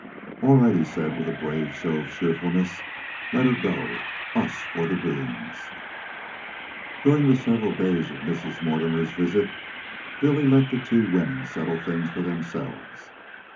"All right," he said, with a brave show of cheerfulness. "Let her go. Us for the greens." During the several days of Mrs. Mortimer's visit, Billy let the two women settle things for themselves.